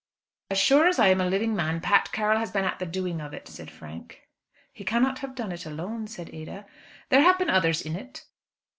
"As sure as I am a living man, Pat Carroll has been at the doing of it," said Frank. "He cannot have done it alone," said Ada. "There have been others in it."